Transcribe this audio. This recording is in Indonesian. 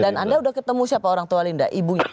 dan anda udah ketemu siapa orang tua linda ibunya